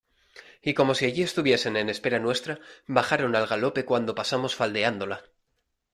y como si allí estuviesen en espera nuestra, bajaron al galope cuando pasamos faldeándola.